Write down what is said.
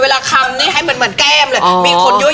เวลาคำนี้ให้เหมือนใก้มเลย